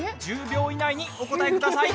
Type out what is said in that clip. １０秒以内にお答えください。